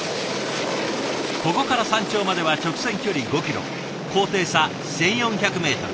ここから山頂までは直線距離５ｋｍ高低差１，４００ｍ。